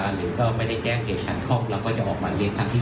หรือก็ไม่ได้แจ้งเหตุการคล่องแล้วก็จะออกหมายเรียกครั้งที่๓